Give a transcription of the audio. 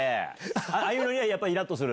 ああいうのにはやっぱりいらっとする？